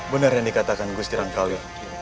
benar yang dikatakan gusti rangkawi